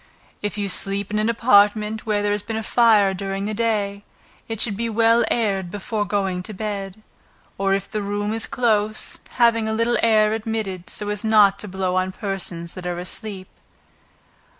If you sleep in an apartment, where there has been fire during the day, it should be well aired before going to bed, or if the room is close, have a little air admitted, so as not to blow on persons that are asleep.